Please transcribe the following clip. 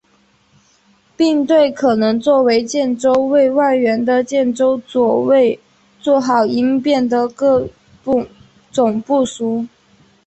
并对可能作为建州卫外援的建州左卫作好应变的各种部署。